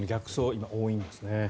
今、多いんですね。